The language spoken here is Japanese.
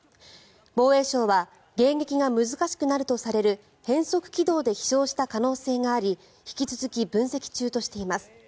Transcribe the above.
防衛省は迎撃が難しくなるとされる変則軌道で飛翔した可能性があり引き続き分析中としています。